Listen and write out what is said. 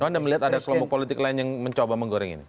anda melihat ada kelompok politik lain yang mencoba menggoreng ini